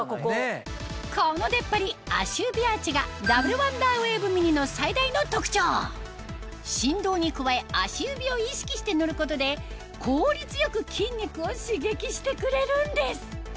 この出っ張り足指アーチがダブルワンダーウェーブミニの最大の特徴振動に加え足指を意識して乗ることで効率よく筋肉を刺激してくれるんです